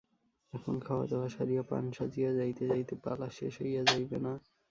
এখন খাওয়াদাওয়া সারিয়া পান সাজিয়া যাইতে যাইতে পালা শেষ হইয়া যাইবে না!